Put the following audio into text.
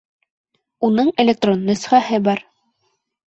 Уның электрон нөсхәһе бар.